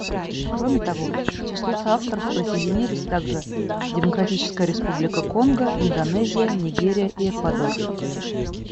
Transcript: Кроме того, к числу соавторов присоединились также Демократическая Республика Конго, Индонезия, Нигерия и Эквадор.